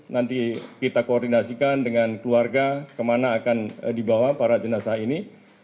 nanti kita koordinasikan dengan keluarga kemana akan dibawa para jenazah ini